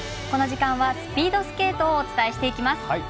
この時間はスピードスケートをお伝えしていきます。